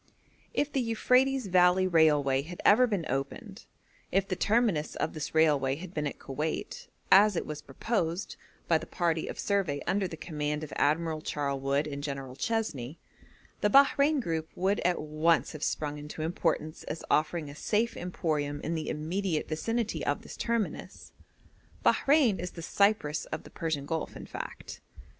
If the Euphrates Valley Railway had ever been opened, if the terminus of this railway had been at Koweit, as it was proposed by the party of survey under the command of Admiral Charlewood and General Chesney, the Bahrein group would at once have sprung into importance as offering a safe emporium in the immediate vicinity of this terminus. Bahrein is the Cyprus of the Persian Gulf, in fact.